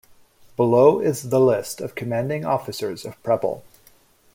Below is the list of commanding officers of "Preble".